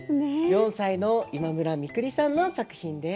４歳の今村みくりさんの作品です。